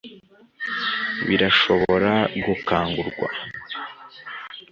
birashobora gukangurwa